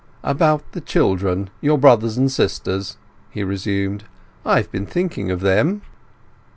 "About the children—your brothers and sisters," he resumed. "I've been thinking of them."